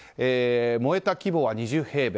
燃えた規模は２０平米。